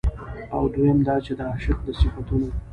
او دويم دا چې د عاشق د صفتونو